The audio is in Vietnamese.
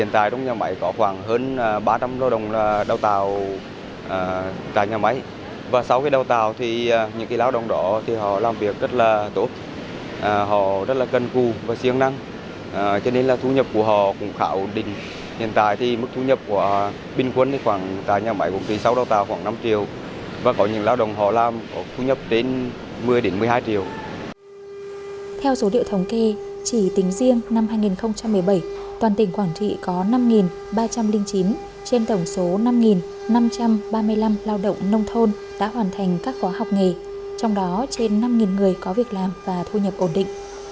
theo số điệu thống kê chỉ tính riêng năm hai nghìn một mươi bảy toàn tỉnh quảng trị có năm ba trăm linh chín trên tổng số năm năm trăm ba mươi năm lao động nông thôn đã hoàn thành các khóa học nghề trong đó trên năm người có việc làm và thu nhập ổn định